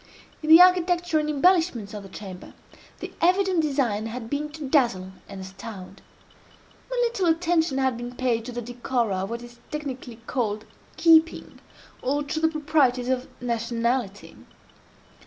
In the architecture and embellishments of the chamber, the evident design had been to dazzle and astound. Little attention had been paid to the decora of what is technically called keeping, or to the proprieties of nationality.